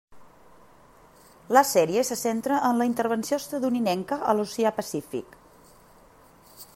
La sèrie se centra en la intervenció estatunidenca a l'Oceà Pacífic.